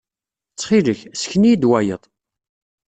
Ttxil-k, ssken-iyi-d wayeḍ.